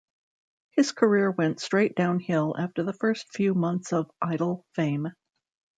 His career went straight downhill after the first few months of Idol-fame.